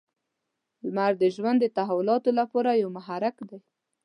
• لمر د ژوند د تحولاتو لپاره یو محرک دی.